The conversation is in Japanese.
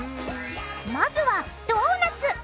まずはドーナツ！